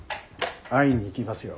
会いに行きますよ。